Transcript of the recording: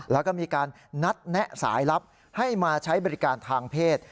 แล้วก็มีการนัดแนะสายลับให้มาใช้บริการทางเพศ